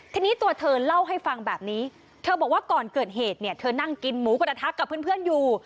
ทีนี้ตัวเธอเล่าให้ฟังแบบนี้เธอบอกว่าก่อนเกิดเหตุเนี่ยเธอนั่งกินหมูกระทะกับเพื่อนอยู่